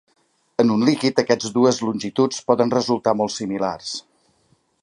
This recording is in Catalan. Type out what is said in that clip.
En un líquid, aquests dues longituds poden resultar molt similars.